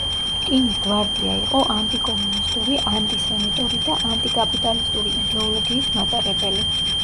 რკინის გვარდია იყო ანტიკომუნისტური, ანტისემიტური და ანტიკაპიტალისტური იდეოლოგიის მატარებელი.